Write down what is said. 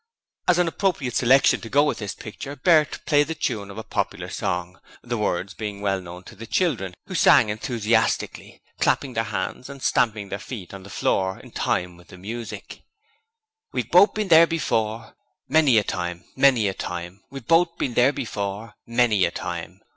As an appropriate selection to go with this picture, Bert played the tune of a popular song, the words being well known to the children, who sang enthusiastically, clapping their hands and stamping their feet on the floor in time with the music: 'We've both been there before, Many a time, many a time! We've both been there before, Many a time!